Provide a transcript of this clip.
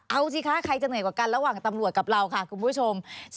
เอาสิคะใครจะเหนื่อยกว่ากันระหว่างตำรวจกับเราค่ะคุณผู้ชม